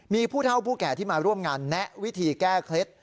มีผู้เท่าผู้แก่ที่มาร่วมงานแนะวิธีแก้เคล็ด